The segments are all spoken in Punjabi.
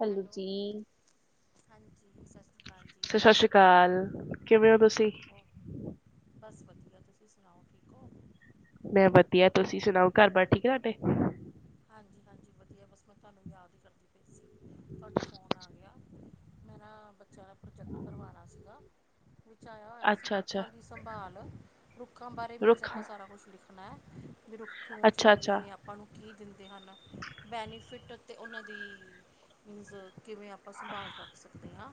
ਹੈਲੋ ਜੀ। ਹਾਂਜੀ ਸਤਿ ਸ਼੍ਰੀ ਅਕਾਲ ਜੀ ਸਤਿ ਸ੍ਰੀ ਅਕਾਲ ਕਿਵੇਂ ਹੋ ਤੁਸੀਂ? ਬਸ ਵਧੀਆ। ਹੋਰ ਸੁਣਾਓ ਠੀਕ। ਹੋ ਮੈਂ ਵਧੀਆ ਤੁਸੀਂ ਸੁਣਾਓ ਘਰ ਬਾਹਰ ਠੀਕ ਆ ਤੁਹਾਡੇ? ਹਾਂਜੀ-ਹਾਂਜੀ, ਵਧੀਆ ਬਸ ਮੈਂ ਤੁਹਾਨੂੰ ਯਾਦ ਹੀ ਕਰਦੀ ਪਈ ਸੀ, ਤੁਹਾਡਾ ਫ਼ੋਨ ਆ ਗਿਆ। ਮੈਂ ਨਾ ਬੱਚਾ ਪ੍ਰੋਜੈਕਟ ਕਰਵਾਣਾ ਸੀਗਾ। ਵਿੱਚ ਆਇਆ ਹੋਇਆ ਸੀ ਅੱਛਾ ਅੱਛਾ ਰੁੱਖਾਂ ਦੀ ਸੰਭਾਲ ਰੁੱਖਾਂ ਬਾਰੇ ਮੀਨਜ਼ ਰੁੱਖਾਂ ਆਪਾਂ ਸਾਰਾ ਕੁੱਛ ਲਿਖਾਂ ਣਾ ਵੀੇ ਰੁੱਖ ਕਿਉਂ ਅੱਛਾ ਜ਼ਰੂਰੀ ਅੱਛਾ ਨੇ ਆਪਾਂ ਨੂੰ ਕੀ ਦਿੰਦੇ ਹਨ ਬੈਨੀਫਿਟ ਅਤੇ ਉਹਨਾਂ ਦੀ ਮੀਨਜ਼ ਕਿਵੇਂ ਆਪਾਂ ਸੰਭਾਲ ਕਰ ਸਕਦੇ ਹਾਂ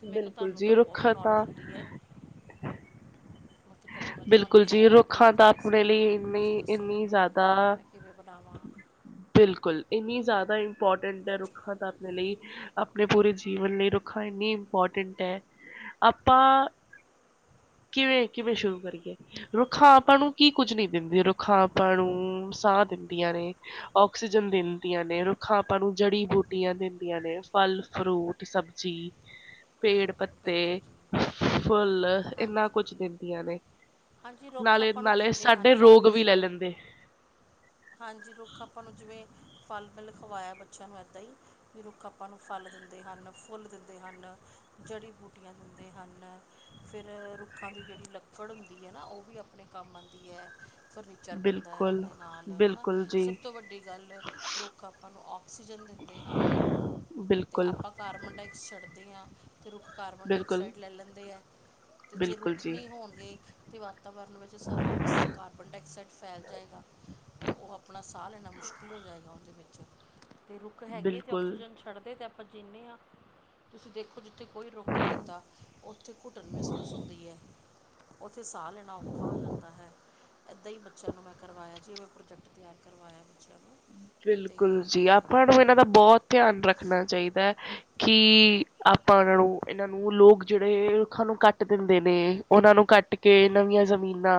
ਤੇ ਮੈਂ ਕਿਹਾ ਬਿਲਕੁਲ ਤੁਹਾਨੂੰ ਜੀ ਤਾਂ ਬਹੁਤ ਰੁੱਖਾਂ ਤਾਂ ਨੌਲੇਜ ਹੁੰਦੀ ਏ। ਅਤੇ ਚਲੋ ਮੈਂ ਤੁਹਾਨੂੰ ਬਿਲਕੁਲ ਜੀ ਫੋਨ ਰੁੱਖਾਂ ਓਡੀਕਦੀ ਤਾਂ ਪਈ ਸੀ ਆਪਣੇ ਲਈ ਹਾਂ ਤੁਸੀਂ ਇੰਨੀ ਦੱਸੋ ਇੰਨੀ ਮੈਨੂੰ ਜ਼ਿਆਦਾ ਕਿਵੇ ਬਣਾਵਾਂ ਬਿਲਕੁਲ ਇੰਨੀ ਜ਼ਿਆਦਾ ਇੰਪੋਰਟੈਂਟ ਹੈ ਰੁੱਖਾਂ ਦਾ ਆਪਣੇ ਲਈ ਆਪਣੇ ਪੂਰੇ ਜੀਵਨ ਲਈ ਰੁੱਖਾਂ ਇੰਨੀ ਇੰਪੋਰਟੈਂਟ ਹੈ ਆਪਾਂ ਕਿਵੇ -ਕਿਵੇ ਸ਼ੁਰੂ ਵਏ ਰੁੱਖਾਂ ਆਪਾਂ ਨੂੰ ਕੀ ਕੁੱਝ ਨਹੀਂ ਦਿੰਦੀ ਰੁੱਖਾਂ ਆਪਾਂ ਨੂੰ ਸਾਹ ਦਿੰਦੀਆਂ ਨੇ ਆੱਕਸੀਜਨ ਦਿੰਦੀਆਂ ਨੇ ਰੁੱਖਾਂ ਆਪਾਂ ਨੂੰ ਜੜੀ ਬੂਟੀਆਂ ਦਿੰਦੀਆਂ ਨੇ ਫਲ ਫਰੂਟ ਸਬਜ਼ੀ ਪੇੜ-ਪੱਤੇ ਬਿਲਕੁਲ ਜੀ ਫੁੱਲ ਇਨਾ ਹਾਂਜੀ ਕੁਛ ਦਿੰਦੀਆਂ ਨੇ ਹਾਂਜੀ ਰੁੱਖ ਨਾਲੇ- ਆਪਾਂ ਨੂੰ ਨਾਲੇ ਦਿੰਦੇ ਹਨ ਸਾਡੇ ਸਾਰਾ ਰੋਗ ਵੀ ਕੁਛ ਲੈ ਲੈਂਦੇ ਹਾਂਜੀ ਰੁੱਖ ਆਪਾਂ ਨੂੰ ਜਿਵੇਂ ਫਲ-ਫਲ ਖਵਾਇਆ ਬੱਚਿਆਂ ਨੂੰ ਇੱਦਾਂ ਹੀ ਵੀ ਰੁੱਖ ਆਪਾਂ ਨੂੰ ਫਲ ਦਿੰਦੇ ਹਨ ਫੁੱਲ ਦਿੰਦੇ ਹਨ ਜੜੀ ਬੂਟੀਆਂ ਦਿੰਦੇ ਹਨ ਫਿਰ ਰੁੱਖਾਂ ਦੀ ਜੇਹੜੀ ਲੱਕੜ ਹੁੰਦੀ ਏ ਨਾ ਉਹ ਵੀ ਆਪਣੇ ਕੰਮ ਆਂਦੀ ਐ ਫਰਨੀਚਰ ਬਣਦਾ ਹੈ ਬਿਲਕੁਲ ਉਹਦੇ ਨਾਲ ਹੈ ਨਾ ਬਿਲਕੁਲ ਜੀ ਸਭ ਤੋਂ ਵੱਡੀ ਗੱਲ ਰੁੱਖ ਆਪਾਂ ਨੂੰ ਆੱਕਸੀਜਨ ਦਿੰਦੇ ਹਨ। ਅਤੇ ਬਿਲਕੁੱਲ। ਆਪਾਂ ਕਾਰਬਨ ਡਾਇਆਕਸ ਛੱਡਦੇ ਹਾਂ। ਅਤੇ ਰੁੱਖ ਕਾਰਬਨ ਬਿਲਕੁਲ ਡਾਇਆਕਸਾਈਡ ਲੈ ਲੈਂਦੇ ਹੈ ਅਤੇ ਜੇ ਬਿਲਕੁਲ ਰੁੱਖ ਜੀ ਨਹੀਂ ਹੋਣਗੇ ਅਤੇ ਵਾਤਾਵਰਨ ਵਿੱਚ ਸਾਰਾ ਕਸ ਕਾਰਬਨ ਡਾਇਆਕਸਾਈਡ ਫੈਲ ਜਾਏਗਾ। ਤਾਂ ਉਹ ਆਪਣਾ ਸਾਹ ਲੈਣਾ ਮੁਸ਼ਕਿਲ ਹੋ ਜਾਏਗਾ ਉਹਦੇ ਵਿੱਚ ਅਤੇ ਰੁੱਖ ਹੈਗੀ ਹੈ ਅਤੇ ਬਿਲਕੁਲ ਆਕਸੀਜਨ ਛੱਡਦੇ ਤੇ ਆਪ ਜੀਨੇ ਹਾਂ ਤੁਸੀਂ ਦੇਖੋ ਜਿੱਥੇ ਕੋਈ ਰੁੱਖ ਨਹੀਂ ਹੁੰਦਾ ਉੱਥੇ ਘੁਟਣ ਮਹਿਸੂਸ ਹੁੰਦੀ ਹੈ ਉੱਥੇ ਸਾਹ ਲੈਣਾ ਔਖਾ ਹੋ ਜਾਂਦਾ ਹੈ ਇੱਦਾਂ ਹੀ ਬੱਚਿਆਂ ਨੂੰ ਮੈਂ ਕਰਵਾਇਆ ਜਿਵੇਂ ਪ੍ਰੋਜੈਕਟ ਤਿਆਰ ਕਰਵਾਇਆ ਬੱਚਿਆਂ ਨੂੰ ਅਤੇ ਬਿਲਕੁੱਲ ਜੀ ਆਪਾਂ ਨੂੰ ਇਹਨਾਂ ਦਾ ਬਹੁਤ ਧਿਆਨ ਰੱਖਣਾ ਚਾਹੀਦਾ ਹੈ ਕਿ ਆਪਾਂ ਇਹਨਾਂ ਨੂੰ ਇਹਨਾਂ ਨੂੰ ਲੋਕ ਜਿਹੜੇ ਰੁੱਖਾਂ ਨੂੰ ਕੱਟ ਦਿੰਦੇ ਨੇ ਉਹਨਾਂ ਨੂੰ ਕੱਟ ਕੇ ਨਵੀਆਂ ਜ਼ਮੀਨਾਂ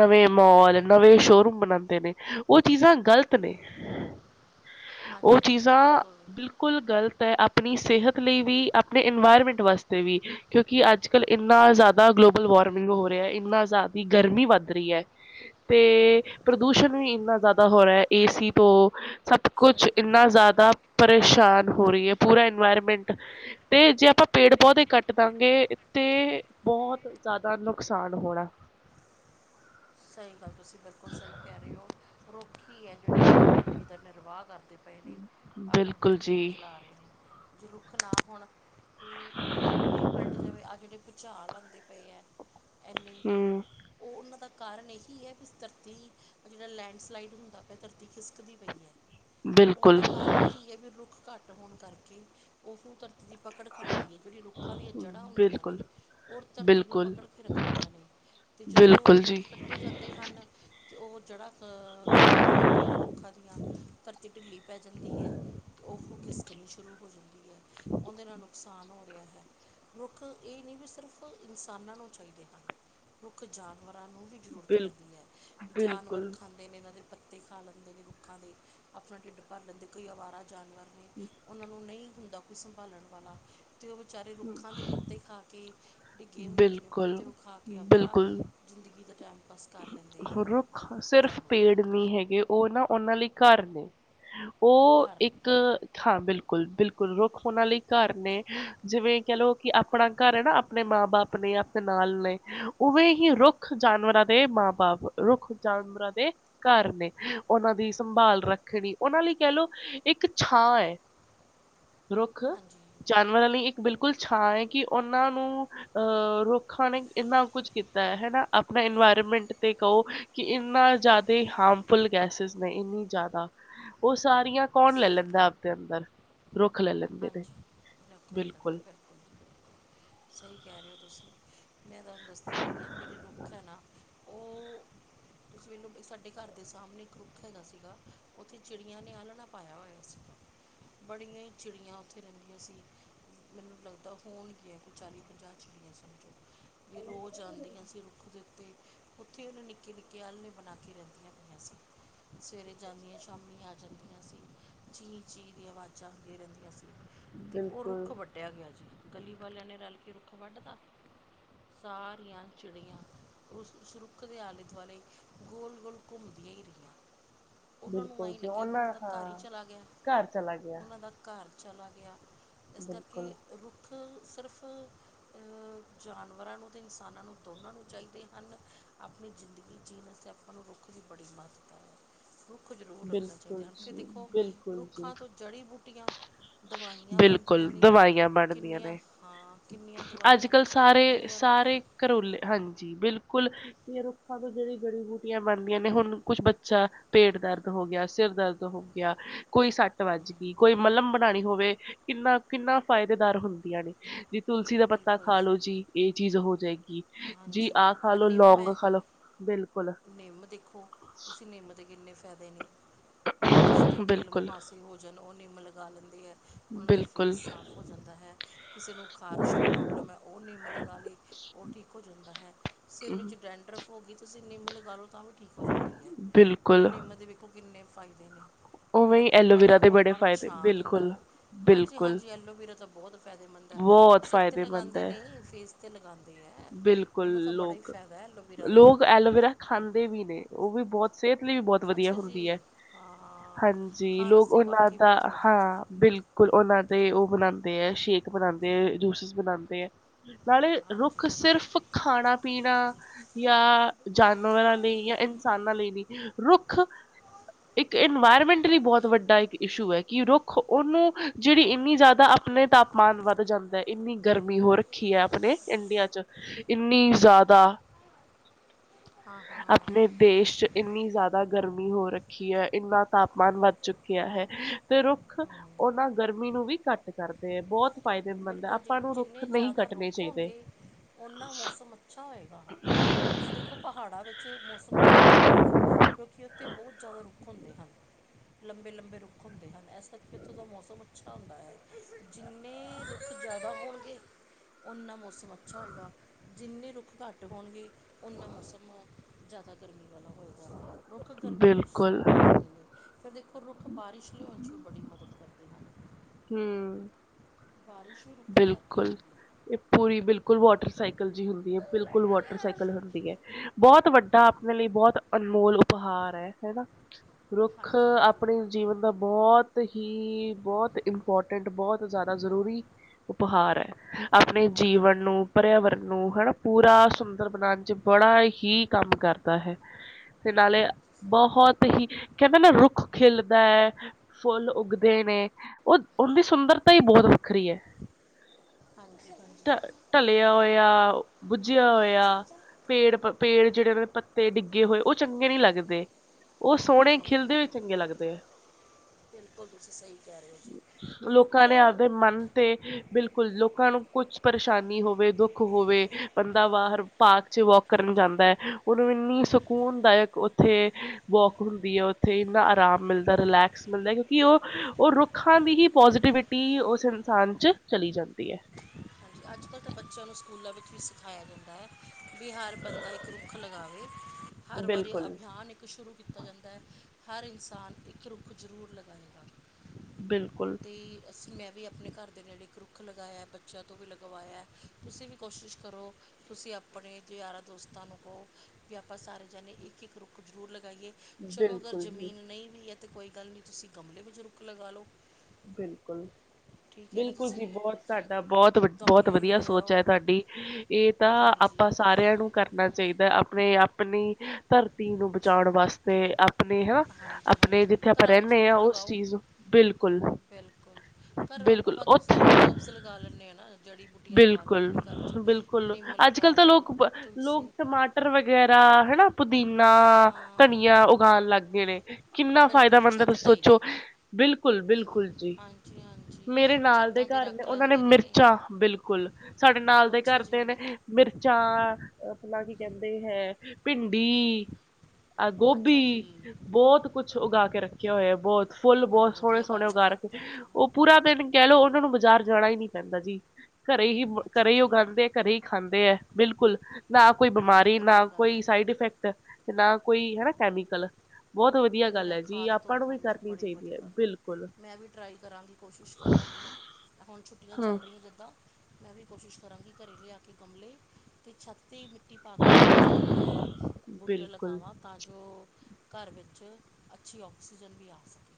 ਨਵੇਂ ਮੋਾਲ ਨਵੇਂ ਸ਼ੋਰੂਮ ਬਣਾਦੇ ਨੇ ਉਹ ਚੀਜ਼ਾਂ ਗ਼ਲਤ ਨੇ ਉਹ ਹਾਂਜੀ ਚੀਜ਼ਾਂ ਬਿਲਕੁਲ ਬਿਲਕੁੱਲ ਬਿਲਕੁੱਲ ਗਲਤ ਹੈ ਆਪਣੀ ਸਿਹਤ ਲਈ ਵੀ ਆਪਣੇ ਇਨਵਾਇਰਮੈਂਟ ਵਾਸਤੇ ਵੀ ਕਿਉਂਕਿ ਅੱਜ-ਕੱਲ੍ਹ ਇੰਨਾ ਜ਼ਿਆਦਾ ਗਲੋਬਲ ਵਾਰਮਿੰਗ ਹੋ ਰਿਹਾ ਇੰਨਾ ਜ਼ਿਆਦਾ ਗਰਮੀ ਵੱਧ ਰਹੀ ਹੈ ਤੇ ਹੂੰ ਪ੍ਰਦੂਸ਼ਣ ਵੀ ਇੰਨਾ ਜ਼ਿਆਦਾ ਹੋ ਰਿਹਾ ਹੈ ਏਸੀ ਤੋਂ ਸਭ ਸਹੀ ਕੁਛ ਗੱਲ ਇੰਨਾ ਸਹੀ ਗੱਲ ਜ਼ਿਆਦਾ ਪਰੇਸ਼ਾਨ ਹੋ ਰਹੀ ਹੈ ਪੂਰਾ ਇਨਵਾਇਰਮੈਂਟ ਤੇ ਜੇ ਆਪਾਂ ਪੇੜ ਪੌਦੇ ਕੱਟ ਦਾਂਗੇ ਤੇ ਬਹੁਤ ਜ਼ਿਆਦਾ ਨੁਕਸਾਨ ਹੋਣਾ ਸਹੀ ਗੱਲ ਤੁਸੀਂ ਬਿਲਕੁਲ ਸਹੀ ਕਹਿ ਰਹੇ ਹੋ ਰੁੱਖਹੀ ਹੈ ਜਿਹੜੇ ਆਪਣੀ ਜ਼ਿੰਦਗੀ ਦਾ ਨਿਰਵਾਹ ਕਰ ਪਏ ਨੇ ਆਪਣੀ ਬਿਲਕੁਲ ਜ਼ਿੰਦਗੀ ਨੂੰ ਜੀ ਚਲਾ ਰਹੇ ਨੇ ਜੋ ਰੁੱਖ ਨਾ ਹੋਣ ਤੇ ਦੁਨੀਆਂ ਹੀ ਪਲਟ ਜਾਵੇ ਆਹ ਜਿਹੜੇ ਭੂਚਾਲ ਆਦੇ ਪਏ ਹੈ ਇੰਨੇ ਹੂੰ ਉਹ ਉਹਨਾਂ ਦਾ ਕਾਰਨ ਇਹੀ ਹੈ ਵੀ ਧਰਤੀ ਜਿਹੜਾ ਲੈਂਡਸਲਾਈਡ ਹੁੰਦਾ ਪਿਆ ਧਰਤੀ ਖਿਸਕਦੀ ਪਈ ਐ ਬਿਲਕੁਲ ਉਹਦਾ ਕਾਰਨ ਇਹੀ ਹੈ ਵੀ ਰੁੱਖ ਘੱਟ ਹੋਣ ਕਰਕੇ ਉਹ ਧਰਤੀ ਦੀ ਪਕੜ ਘਟ ਰਹੀ ਹੈ ਜਿਹੜੀ ਰੁੱਖਾਂ ਦੀਆਂ ਜੜ੍ਹਾਂ ਹੁੰਦੀਆਂ ਨੇ ਬਿਲਕੁਲ ਉਹ ਧਰਤੀ ਨੂੰ ਬਿਲਕੁਲ ਪਕੜ ਕੇ ਰੱਖਦੀਆਂ ਨੇ ਤੇ ਜਦੋਂ ਬਿਲਕੁਲ ਰੁੱਖ ਜੀ ਕੱਟੇ ਜਾਂਦੇ ਹਨ ਅਤੇ ਉਹ ਜੜਾ ਅ ਖਤਮ ਹੋ ਜਾਂਦੀਆਂ ਨੇ ਰੁੱਖਾਂ ਦੀਆਂ ਧਰਤੀ ਢਿੱਲੀ ਪੈ ਜਾਂਦੀ ਹੈ ਉਹ ਖਿਸਕਣੀ ਸ਼ੁਰੂ ਹੋ ਜਾਂਦੀ ਹੈ ਉਹਨਦੇ ਨਾਲ ਨੁਕਸਾਨ ਹੋ ਰਿਹਾ ਹੈ। ਰੁੱਖ ਇਹ ਨਹੀਂ ਵੀ ਸਿਰਫ ਇਨਸਾਨਾਂ ਨੂੰ ਚਾਹੀਦੇ ਹਨ ਰੁੱਖ ਜਾਨਵਰਾਂ ਨੂੰ ਵੀ ਜ਼ਰੂਰਤ ਬਿਲ ਪੈਂਦੀ ਹੈ ਜਾਨਵਰ ਬਿਲਕੁਲ ਖਾਂਦੇ ਨੇ ਇਹਨਾਂ ਦੇ ਪੱਤੇ ਖਾ ਲੈਂਦੇ ਦੇ ਰੁੱਖਾਂ ਦੇ ਆਪਣਾ ਢਿੱਡ ਭਰ ਲੈਂਦੇ ਕਈ ਅਵਾਰਾ ਜਾਨਵਰ ਨੇ। [unintelligible] ਉਹਨਾਂ ਨੂੰ ਨਹੀਂ ਹੁੰਦਾ ਕੋਈ ਸੰਭਾਲਣ ਵਾਲਾ ਤੇ ਉਹ ਵਿਚਾਰੇ ਰੁੱਖਾਂ ਦੇ ਪੱਤੇ ਖਾ ਕੇ ਆਪਣੀ ਗੇਮ ਦੈ ਵਿੱਚ ਬਿਲਕੁਲ ਪੱਤੇ ਵਿਖਾ ਖਾ ਕੇ ਆਪਦਾ ਬਿਲਕੁਲ ਜ਼ਿੰਦਗੀ ਦਾ ਟਾਈਮ ਪਾਸ ਕਰ ਲੈਂਦੇ ਨੇ ਰੁੱਖ ਸਿਰਫ ਜਾਨਵਰ ਪੇੜ ਮੀ ਹੈਗੇ ਉਹ ਨਾ ਉਹਨਾਂ ਲਈ ਘਰ ਨੇ ਉਹ ਘਰ ਇੱਕ ਇਕ ਥਾਂ ਬਿਲਕੁਲ ਬਿਲਕੁਲ ਰੁੱਖ ਹੋਣਾ ਲਈ ਘਰ ਨੇ। ਜਿਵੇਂ ਕਹਿਲਓ ਕਿ ਆਪਣਾ ਘਰ ਹੈ ਨਾ ਆਪਣੇ ਮਾਂ ਬਾਪ ਨੇ ਆਪਣੇ ਨਾਲ ਨੇ। ਉਵੇਂ ਹੀ ਰੁੱਖ ਜਾਨਵਰਾਂ ਦੇ ਮਾਂ ਬਾਪ ਰੁੱਖ ਜਾਨਵਰਾਂ ਦੇ ਘਰ ਨੇ ਉਹਨਾਂ ਦੀ ਸੰਭਾਲ ਰੱਖਣੀ ਉਹਨਾਂ ਲਈ ਕਹਿ ਲਓ ਇੱਕ ਛਾਂ ਹੈ। ਰੁੱਖ ਹਾਂਜੀ। ਜਾਨਵਰਾਂ ਲਈ ਇੱਕ ਬਿਲਕੁਲ ਛਾਂ ਹੈ ਕਿ ਉਹਨਾਂ ਨੂੰ ਅਹ ਰੁੱਖਾਂ ਨੇ ਇੰਨਾ ਕੁਝ ਕੀਤਾ ਹੈ ਹਨਾ ਆਪਣਾ ਇਨਵਾ ਮੈਂਟ ਤੇ ਕਹੋ ਕਿ ਇੰਨਾ ਜ਼ਿਆਦਾ ਹਾਰਮਫੁੱਲ ਗੈਸਿਸ ਨੇ ਇੰਨੀ ਜ਼ਿਆਦਾ। ਉਹ ਸਾਰੀਆਂ ਕੌਣ ਲੈ ਲੈਂਦਾ ਆਪਦੇ ਅੰਦਰ ਰੁੱਖ ਲੈ ਲੈਂਦੇ ਨੇ ਹਾਂਜੀ ਰੈਫਰੈਂਡਮ ਦੇ ਬਿਲਕੁਲ ਸਹੀ ਕਹਿ ਰਹੇ ਹੋ ਤੁਸੀਂ ਮੈਂ ਤੁਹਾਨੂੰ ਦੱਸਦੀ ਹਾਂ ਜੇੜੇ ਰੁੱਖ ਹੈ ਨਾ ਉਹ [unintelligible] ਸਾਡੇ ਘਰ ਦੇ ਸਾਹਮਣੇ ਇੱਕ ਰੁੱਖ ਹੈਗਾ ਸੀਗਾ ਉੱਥੇ ਚਿੜੀਆਂ ਨੇ ਆਲਣਾ ਪਇਆ ਹੋਇਆ ਸੀ। ਬੜੀਆਂ ਹੀ ਚਿੜੀਆਂ ਉੱਥੇ ਰਹਿੰਦੀਆਂ ਸੀ ਮੈਨੂੰ ਲਗਦਾ ਹੋਣ ਗਿਆ। ਚਾਲੀ ਪੰਜਾਹ ਚੜੀਆਂ ਸਮਜੋ ਰੋਜ਼ ਆਉਂਦੀਆਂ ਸੀ ਰੁੱਖ ਦੇ ਉੱਤੇ। ਉੱਥੇ ਉਹਨੂੰ ਨਿੱਕੇ ਨਿੱਕੇ ਆਲ੍ਹਣੇ ਬਣਾ ਕੇ ਰਹਿੰਦੀਆਂ ਹੋਈਆਂ ਸੀ। ਸਵੇਰੇ ਜਾਂਦੀਆਂ ਸ਼ਾਮੀ ਆ ਜਾਂਦੀਆਂ ਸੀ। ਚੀਂ ਚੀਂ ਦੀਆਂ ਆਵਾਜ਼ਾਂ ਆਂਦੀਆਂ ਰਹਿੰਦੀਆਂ ਸੀ। ਤੇ ਉਹ ਰੁੱਖ ਬਿਲਕੁਲ ਵੱਡਿਆ ਗਿਆ ਜੀ ਗਲੀ ਵਾਲਿਆਂ ਨੇ ਰਲ ਕੇ ਰੁੱਖ ਵੱਢ ਤਾਂ। ਸਾਰੀਆਂ ਚਿੜੀਆਂ ਉਸ ਸਰੂਖ ਦੇ ਆਲੇ ਦੁਵਾਲੇ ਗੋਲ ਗੋਲ ਘੁੰਮਦੀਆਂ ਹੀ ਰਹੀਆਂ ਉਹਨਾਂ ਨੂੰ ਬਿਲਕੁਲ ਆਈ ਜੀ ਲੱਗਿਆ ਕਿ ਉਹਨਾਂ ਦਾ ਘਰ ਹਾਂ ਹੀ ਚਲਾ ਗਿਆ ਘਰ ਚਲਾ ਗਿਆ ਉਹਨਾਂ ਦਾ ਘਰ ਚਲਾ ਗਿਆ ਇਸ ਕਰਕੇ ਬਿਲਕੁਲ ਰੁੱਖ ਸਿਰਫ ਜਾਨਵਰਾਂ ਨੂੰ ਤੇ ਇਨਸਾਨਾਂ ਨੂੰ ਦੋਨਾਂ ਨੂੰ ਚਾਹੀਦੇ ਹਨ ਆਪਣੀ ਜ਼ਿੰਦਗੀ ਜੀਣ ਵਾਸਤੇ ਆਪਾਂ ਨੂੰ ਰੁੱਖ ਦੀ ਬੜੀ ਮਹੱਤਤਾ। ਰੁੱਖ ਜ਼ਰੂਰ ਰੱਖਣਾ ਬਿਲਕੁਲ ਚਾਹੀਦਾ ਹਨ ਫਿਰ ਜੀ ਦੇਖੋ ਬਿਲਕੁਲ ਜੀ ਰੁੱਖਾਂ ਤੋਂ ਜੜੀ ਬੂਟੀਆਂ ਦਵਾਈਆਂ ਬਿਲਕੁਲ ਬਣਦੀਆਂ ਨੇ ਦਵਾਈਆਂ ਬਣਦੀਆਂ ਕਿੰਨੀਆਂ ਹ ਨੇ ਹਾਂ ਕਿੰਨੀਆਂ ਦਵਾਈਆਂ ਨੇ ਜਿਹੜੀਆਂ ਰੁੱਖਾ ਕਰੋਲੇ ਹਾਂਜੀ ਬਿਲਕੁਲ ਦੀ ਰੁੱਖਾਂ ਤੋਂ ਜਿਹੜੀ ਗੜੀ ਬੂਟੀਆਂ ਬਣਦੀਆਂ ਨੇ ਹੁਣ ਕੁੱਛ ਬੱਚਾ ਪੇਟ ਦਰਦ ਹੋ ਗਿਆ ਸਿਰ ਦਰਦ ਹੋ ਗਿਆ ਕੋਈ ਸੱਟ ਵੱਜ ਗਈ ਕੋਈ ਮਲਮ ਬਣਾਉਣੀ ਹੋਵੇ ਕਿੰਨਾ ਕਿੰਨਾ ਫਾਇਦੇਦਾਰ ਹੁੰਦੀਆਂ ਨੇ ਜੀ ਤੁਲਸੀ ਦਾ ਪੱਤਾ ਖਾ ਲੋੋ ਜੀ। ਇਹ ਚੀਜ਼ ਹੋ ਜਾਏਗੀ ਜੀ ਹਾਂਜੀ ਆਹ ਖਾ ਅ ਲੋ ਨੀਮ ਏ ਲੌਂਗ ਖਾ ਲੋ ਬਿਲਕੁਲ ਨੀਮ ਦੇਖੋ ਉਸਂ ਨੀਮ ਦੇ ਕਿੰਨੇ ਫਾਇਦੇ ਨੇ। ਕਿਸੀ ਦੇ ਕਿੱਲ ਬਿਲਕੁਲ, ਮੁਹਾਂਸੇ ਹੋ ਜਾਣ, ਉਹ ਨਿੰਮ ਲਗਾ ਲੈਂਦੇ ਹੈ। ਉਹਨਾਂ ਦਾ, ਫੇਸ ਬਿਲਕੁਲ, ਸਾਫ਼ ਹੋ ਜਾਂਦਾ ਹੈ। ਕਿਸੇ ਨੂੰ ਖ਼ਾਰਸ਼ ਦੀ ਪ੍ਰੋਬਲਮ ਹੈ, ਉਹ ਨਿੰਮ ਲਗਾ ਲਈ। ਠੀਕ ਹੋ ਜਾਂਦਾ ਹੈ, ਸਿਰ ਵਿੱਚ ਡੈਂਡਰਫ ਹੋ ਗਈ, ਤੁਸੀਂ ਨਿੰਮ ਲਗਾ ਲਉ, ਤਾਂ ਵੀ ਠੀਕ ਹੋ ਜਾਂਦੀ ਹੈ, ਵੀ ਬਿਲਕੁਲ ਨਿੰਮ ਦੇ ਵੇਖੋ, ਕਿੰਨੇ ਫਾਇਦੇ ਨੇ। ਉਵੇਂ ਜਿਹੜਾ ਹੀ ਪਿੱਪਲ ਐਲੋਵੇਰਾ ਹੈ, ਦੇ ਉਹ ਬੜੇ ਆਪਾਂ ਨੂੰ ਫਾਇਦੇ ਛਾਂ ਦਿੰਦਾ ਹੈ, ਬਿਲਕੁਲ, ਹਾਂਜੀ- ਬਿਲਕੁਲ ਹਾਂਜੀ ਐਲੋਵਿਰਾ ਤਾਂ ਬਹੁਤ ਫਾਇਦੇਮੰਦ ਹੈ, ਬਹੁਤ ਸਿਰ ਤੇ ਫਾਇਦੇਮੰਦ ਲਗਾਉਂਦੇ ਐ। ਨੇ, ਫੇਸ ਤੇ ਲਗਾਉਂਦੇ ਆ। ਬਿਲਕੁਲ, ਲੋਕ, ਦਾ ਤਾਂ ਲੋਕ ਐਲੋਵੇਰਾ ਖਾਂਦੇ ਵੀ ਨੇ। ਉਹ ਵੀ ਬਹੁਤ, ਸਿਹਤ ਲਈ ਵੀ ਬਹੁਤ ਵਧੀਆ ਅੱਛਾ ਹੁੰਦੀ ਜੀ ਹੈ। ਹਾਂ ਹਾਂ ਹਾਂਜੀ, ਖਾਣ ਲੋਕ ਵਾਸਤੇ ਉਹਨਾਂ ਵਾਕਈ ਦਾ, ਬਹੁਤ ਵਧੀਆ ਚੀਜ਼ ਹਾਂ। ਬਿਲ ਕੁ ਉਹਨਾਂ ਦੇ ਉਹ ਬਣਾਉਂਦੇ ਹੈ। ਸ਼ੇਕ ਬਣਾਉਂਦੇ ਹੈ, ਜੂਸਸ ਬਣਾਉਂਦੇ ਹੈ। ਨਾਲੇ ਹਾਂਜੀ ਰੁੱਖ, ਸਿਰਫ ਹਾਂਜੀ ਖਾਣਾ- ਪੀਣਾ ਜਾਂ ਜਾਨਵਰਾਂ ਲਈ, ਜਾਂ ਇਨਸਾਨਾਂ ਲਈ ਨਹੀਂ। ਰੁੱਖ, ਇੱਕ ਇਨਵਾਇਰਮੈਂਟ ਲਈ ਬਹੁਤ ਵੱਡਾ ਇੱਕ ਇਸ਼ੂ ਹੈ। ਕਿ ਰੁੱਖ ਖ, ਉਹਨੂੰ ਜਿਹੜੀ ਇੰਨੀ ਜ਼ਿਆਦਾ, ਆਪਣੇ ਤਾਪਮਾਨ ਵੱਧ ਜਾਂਦਾ, ਇੰਨੀ ਗਰਮੀ ਹੋ ਰੱਖੀ ਹੈ, ਆਪਣੇ ਇੰਡੀਆ ਚ, ਇੰਨੀ ਜ਼ਿਆਦਾ ਹਾਂ ਹਾਂ ਆਪਣੇ ਦੇਸ਼ ' ਇੰਨੀ ਜ਼ਿਆਦਾ ਗਰਮੀ ਹੋ ਰੱਖੀ ਹੈ। ਇੰਨਾ ਤਾਪਮਾਨ ਵੱਧ ਚੁੱਕਿਆ ਹੈ ਤੇ ਰੁੱਖ ਹੂੰ ਉਹ, ਨਾਂ ਗਰਮੀ ਨੂੰ ਵੀ ਘੱਟ ਕਰਦੇ ਹੈ। ਬਹੁਤ ਫਾਇਦੇਮੰਦ ਹੈ ਬਿਲਕੁਲ ਜੀ, ਆਪਾਂ ਨੂੰ ਰੁੱਖ ਜਿੰਨੇ ਨਹੀਂ ਜ਼ਿਆਦਾ ਕੱਟਣੇ ਰੁੱਖ ਚਾਹੀਦੇ ਹੋਣਗੇ, ਉਹਨਾਂ ਮੌਸਮ ਅੱਛਾ ਹੋਏਗਾ। ਤੁਸੀਂ ਦੇਖੋ, ਪਹਾੜਾਂ ਵਿੱਚ ਮੌਸਮ ਵਧੀਆ ਹੁੰਦਾ ਹੈ। ਕਿਉਂਕਿ, ਉੱਥੇ ਬਹੁਤ ਜ਼ਿਆਦਾ ਰੁੱਖ ਹੁੰਦੇ ਹਨ। ਲੰਬੇ -ਲੰਬੇ, ਰੁੱਖ ਹੁੰਦੇ ਹਨ। ਇਸ ਕਰਕੇ ਉੱਥੋਂ ਦਾ, ਮੌਸਮ ਅੱਛਾ ਹੁੰਦਾ ਹੈ, ਜਿੰਨੇ ਰੁੱਖ ਜ਼ਿਆਦਾ ਹੋਣਗੇ, ਉਹਨਾਂ ਮੌਸਮ ਅੱਛਾ ਹੋਏਗਾ। ਹਹ ਜਿੰਨੇ ਰੁੱਖ ਘੱਟ ਹੋਣਗੇ, ਉਨਾਂ ਮੌਸਮ ਜ਼ਿਆਦਾ ਗਰਮੀ ਵਾਲਾ ਹੋਏਗਾ। ਰੁੱਖ, ਗਰਮੀ ਨੂੰ ਬਿਲਕੁਲ ਸੋਕ ਲੈਂਦੇ ਨੇ। ਫਿਰ ਦੇਖੋ ਰੁੱਖ, ਬਾਰਿਸ਼ ਲਿਆਉਣ ਚ ਵੀ, ਬੜੀ ਮਦਦ ਕਰਦੇ ਨੇ। ਹਮਮ, ਬਾਰਿਸ਼ ਵੀ ਰੁੱਖਾਂ ਕਰਕੇ ਬਿਲਕੁਲ ਆਉਂਦੀ ਹੈ ਇਹ ਪੂਰੀ ਬਿਲਕੁਲ ਵੋਟਰਸਾਈਕਲ ਜਿਹੀ ਹੁੰਦੀ ਹੈ, ਬਿਲਕੁਲ ਵੋਟਰਸਾਈਕਲ ਹੁੰਦੀ ਹੈ। ਬਹੁਤ ਵੱਡਾ, ਆਪਣੇ ਲਈ ਬਹੁਤ ਅਨਮੋਲ ਉਪਹਾਰ ਹੈ। ਹੈਨਾ? ਰੁੱਖ ਹਾਂਜੀ ਹਾਂਜੀ ਆਪਣੇ ਬਿਲਕੁਲ ਜੀਵਨ ਦਾ, ਬਹੁਤ ਹੀ ਬਹੁਤ ਇੰਪੋਰਟੈਂਟ ਬਹੁਤ ਤੋਂ, ਜ਼ਿਆਦਾ ਜ਼ਰੂਰੀ ਉਪਹਾਰ ਹੈ। ਆਪਣੇ ਜੀਵਨ ਨੂੰ, ਪਰਿਆਵਰਨ ਨੂੰ, ਹੈਨਾ ਪੂਰਾ ਸੁੰਦਰ ਬਣਾਉਣ ਚ ਬੜਾ ਹੀ ਕੰਮ ਕਰ ਚੁੱਕਾ ਹੈ, ਨਾਲੇ ਬਹੁਤ ਹੀ ਕਹਿੰਦੇ ਨਾ, ਰੁੱਖ ਖਿਲਦਾ ਹੈ। ਫੁੱਲ ਉੱਗਦੇ ਨੇ, ਉਹ, ਉੰਹਦੀ ਸੁੰਦਰਤਾ ਹੀ ਬਹੁਤ ਵੱਖਰੀ ਹੈ। [unintelligible] ਢਲਿਆ ਹੋਇਆ, ਬੁਝਿਆ ਹੋਇਆ। ਪੇੜ, ਪੇੜ ਜਿਹੜੇ ਉਹ ਪੱਤੇ ਡਿੱਗੇ ਹੋਏ, ਉਹ ਚੰਗੇ ਨਹੀਂ ਲੱਗਦੇ। ਉਹ ਸੋਹਣੇ ਖਿਲਦੇ ਹੋਏ, ਚੰਗੇ ਲੱਗਦੇ ਹੈ। ਬਿਲਕੁਲ, ਤੁਸੀਂ ਸਹੀ ਕਹਿ ਰਹੇ ਹੋ ਜੀ। ਲੋਕਾਂ ਰੁੱਖ ਨੇ ਆਪਦੇ ਮਨ, ਤੇ ਬਿਲਕੁਲ ਲੋਕਾਂ ਨੂੰ, ਕੁਛ ਪਰੇਸ਼ਾਨੀ ਹੋਵੇ, ਦੁੱਖ ਹੋਵੇ ਬੰ ਦਾ, ਬਾਹਰ ਪਾਰਕ ਚ ਵਾਕ ਕਰਨ ਜਾਂਦਾ ਹੈ, ਉਹਨੂੰ ਇੰਨੀ ਸਕੂਨਦਾਇਕ ਉੱਥੇ ਵਾਕ ਹੁੰਦੀ ਹੈ, ਉੱਥੇ ਇੰਨਾ ਆਰਾਮ ਮਿਲਦਾ, ਰਿਲੈਕਸ ਮਿਲਦਾ, ਕਿਉਂਕਿ ਉਹ, ਉਹ ਰੁੱਖਾਂ ਦੀ ਹੀ ਪੋਜ਼ਟਿਵਿ ਟੀ, ਉਸ ਇਨਸਾਨ 'ਚ ਚਲੀ ਜਾਂਦੀ ਹੈ। ਹਾਂਜੀ। ਅੱਜ -ਕੱਲ੍ਹ ਤਾਂ ਬੱਚਿਆਂ ਨੂੰ ਸਕੂਲਾਂ ਵਿੱਚ ਹੀ ਸਿਖਾਇਆ ਜਾਂਦਾ। ਵੀ, ਹਰ ਬੰਦਾ ਇੱਕ ਰੁੱਖ ਲਗਾਵੇ, ਹਰ ਵਾਰੀ ਬਿਲਕੁਲ ਅਭਿਆਨ ਇੱਕ ਸ਼ੁਰੂ ਕੀਤਾ ਜਾਂਦਾ ਹੈ, ਹਰ ਇਨਸਾਨ ਇੱਕ ਰੁੱਖ ਜ਼ਰੂਰ ਲਗਉੰਦਾ। ਬਿਲਕੁਲ। ਬੀ, ਅਸੀਂ ਮੈਂ ਵੀ, ਆਪਣੇ ਘਰ ਦੇ ਨੇੜੇ, ਇੱਕ ਰੁੱਖ ਲਗਾਇਆ ਬੱਚਿਆਂ ਨੂੰ ਤੋਂ, ਵੀ ਲਗਵਾਇਆ, ਤੁਸੀਂ ਵੀ ਕੋਸ਼ਿਸ਼ ਕਰੋ, ਤੁਸੀਂ ਆਪਣੇ ਯਾਰਾਂ ਦੋਸਤਾਂ ਨੂੰ ਕਹੋ ਕਿ ਆਪਾਂ, ਸਾਰੇ ਜਣੇ ਇੱਕ- ਇੱਕ, ਰੁੱਖ ਜ਼ਰੂਰ ਲਗਾਈਏ। ਚਲੋ, ਅਗਰ ਬਿਲਕੁਲ ਜੀ ਜ਼ਮੀਨ ਨਹੀਂ ਵੀ ਹੈ, ਤਾਂ ਕੋਈ ਗੱਲ ਨਹੀਂ। ਤੁਸੀਂ ਗਮਲੇ ਵਿੱਚ, ਰੁੱਖ ਲਗਾ ਲਓ। ਬਿਲਕੁਲ। ਠੀਕ ਹੈ ਨਾ ਬਿਲਕੁਲ ਤੁਸੀਂ ਜੀ, ਬਹੁਤ ਤੁਹਾਡਾ ਬਹੁਤ ਬਹੁਤ ਗਮਲੇ ਵਧੀਆ ਲੈ ਸੋਚ ਐ, ਆਓ ਤੁਹਾਡੀ ਇਹ ਤਾਂ ਹਾਂਜੀ ਆਪਾਂ ਸਾਰੇ ਇਹਨਾਂ ਨੂੰ ਕਰਨਾ ਚਾਹੀਦਾ, ਆਪਣੇ ਆਪਣੀ ਧਰਤੀ ਨੂੰ ਬਚਾਉਣ ਵਾਸਤੇ। ਤੇ ਆਪਣੇ ਹਨਾ, ਹਾਂਜੀ ਆਪਣੇ ਹਾਂਜੀ ਜਿੱਥੇ ਆਪਾਂ ਘਰਾਂ ਵਿੱਚ ਰਹਿੰਦੇ ਹਾਂ। ਰੁੱਖ ਉਸ ਲਗਾਓ ਚੀਜ਼ ਬਿਲਕੁਲ ਬਿਲਕੁਲ, ਘਰੋ ਆਪਾਂ ਬਿਲਕੁਲ ਵਾਧੂ ਉੱਥੇ ਸਾਰੇ ਹਰਬਸ ਲਗਾ ਲੈਂਦੇ ਹ ਨਾ। ਜੜੀ ਬੂਟੀਆਂ ਲਗਾ ਲਉ ਬਿਲਕੁਲ ਆਪਣੇ ਘਰ ਚ। ਬਿਲਕੁਲ ਨਿੰਮ ਲਗਾ ਲਉ, ਤੁਲਸੀ ਟਰ ਵਗੈਰਾ ਹਨਾ ਪੁਦੀਨਾ, ਹਾਂ ਧਨੀਆ ਹਾਂ ਉਗਾਣ ਲੱਗ ਗਏ ਨੇ। ਕਿੰਨਾ ਬਿਲਕੁਲ ਜੀ ਫਾਇਦਾਮੰਦ ਐ ਛੱਤ ਤੁਸੀਂ 'ਤੇ। ਸੋਚੋ ਬਿਲਕੁਲ-ਬਿਲਕੁਲ ਜੀ। ਹਾਂਜੀ, ਹਾਂਜੀ ਮੇਰੇ ਨਾਲ ਦੇ ਛੱਤਾਂ ਤੇ ਘਰ ਨੇ ਰੱਖ ਉਹਨਾਂ ਨੇ ਲੈਂਦੇ ਮਿਰਚਾਂ ਬਿਲਕੁਲ, ਸਾਡੇ ਨਾਲ ਦੇ ਅੱਛਾ ਘਰ ਜੀ, ਤੇ ਨੇ ਮਿਰਚਾਂ, ਆਪਣਾ ਕੀ ਕਹਿੰਦੇ ਹੈ ਭਿੰਡੀ ਆਹ ਅੱਛਾ ਗੋਭੀ। ਜੀ ਬਹੁਤ ਕੁੱਛ ਉਗਾ ਕੇ ਰੱਖਿਆ ਹੋਏਆ। ਬਹੁਤ ਫੁੱਲ ਬੜੀ ਬਹੁਤ ਵਧੀਆ ਸੋਹਣੇ-ਸੋਹਣੇ ਗੱਲ ਹੈ ਉਗਾ ਫਿਰ ਰੱਖੇ। ਤਾਂ। ਉਹ ਹਨਾ। ਪੂਰਾ ਦਿਨ ਕਹਿ ਲਓ ਉਹਨਾਂ ਨੂੰ ਬਾਜ਼ਾਰ ਜਾਣਾ ਹੀ ਨੀ ਪੈਂਦਾ ਜੀ। ਘਰੇ ਹੀ, ਘਰੇ ਅੱਛਾ ਹੀ ਜੀ, ਉਗਾਦੇ ਆ, ਘਰੇ ਹੀ ਖਾਂਦੇ ਏ, ਬਿਲਕੁਲ। ਨਾ ਕੋਈ ਕਿੰਨੀ ਬਿਮਾਰੀ, ਨਾ ਵਧੀਆ ਗੱਲ ਕੋਈ ਹੈ। ਸਾਈਡ ਇਫੈਕਟ, ਨਾ ਕੋਈ ਹਨਾ ਕੈਮੀਕਲ ਬਹੁਤ ਵਧੀਆ। ਗੱਲ ਬਿਨਾਂ ਹੈ ਜੀ ਖਾਦ ਤੋਂ ਆਪਾਂ ਨੂੰ ਵੀ ਹਾਂਜੀ ਕਰਨੀ ਬੜੀ ਚਾਹੀਦੀ ਵਧੀਆ ਹੈ ਗੱਲ। ਬਿਲਕੁਲ ਮੈਂ ਵੀ ਟਰਾਈ ਕਰਾਂਗੀ ਕੋਸ਼ਿਸ਼ ਕਰਾਂਗੀ। ਹੁਣ ਛੁੱਟੀਆਂ ਹਮ ਚੱਲ ਰਹੀਆਂ ਜਿੱਦਾਂ। ਮੈਂ ਵੀ ਕੋਸ਼ਿਸ਼ ਕਰਾਂਗੀ ਘਰੇ ਲਿਆ ਕੇ ਗਮਲੇ। ਤੇ ਛੱਤ ਤੇ ਮਿੱਟੀ ਪਾ ਕੇ ਉਹਨਾਂ ਵਿੱਚ ਤੇ ਮੈਂ ਬੂਟੇ ਬਿਲਕੁਲ ਲਗਾਵਾਂ ਤਾਂ ਜੋ ਘਰ ਵਿੱਚ। ਅੱਛੀ ਔਕਸੀਜਨ ਵੀ ਆ ਸਕੇ।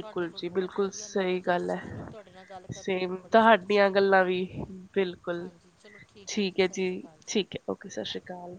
ਤੁਹਾਡੇ ਕੋਲ ਜੀ ਬਹੁਤ ਬਿਲਕੁਲ ਵਧੀਆ ਸਹੀ ਨੌਲੇਜ ਏ ਇਸ ਗੱਲ ਚੀਜ਼ ਨੂੰ, ਹੈ ਤੁਹਾਡੇ ਨਾਲ ਗੱਲ ਕਰਕੇ ਸੇਮ ਮੈਨੂੰ ਬੜੀ ਤੁਹਾਡੀਆਂ ਸੰਤੁਸ਼ਟੀ ਗੱਲਾਂ ਮਿਲੀ। ਵੀ ਬਿਲਕੁਲ ਹਾਂਜੀ, ਚਲੋ ਠੀਕ ਐ ਜੀ, ਹੈ ਸਤਿ ਸ਼੍ਰੀ ਅਕਾਲ ਠੀਕ ਹੈ ਜੀ। ਓਕੇ, ਸਤਿ ਸ਼੍ਰੀ ਅਕਾਲ।